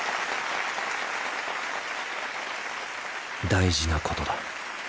大事なことだ。